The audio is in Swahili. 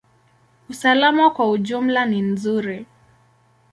Usalama kwa ujumla ni nzuri.